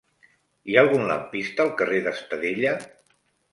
Hi ha algun lampista al carrer d'Estadella?